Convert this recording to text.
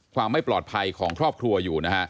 ความไม่ปลอดภัยของครอบครัวอยู่นะฮะ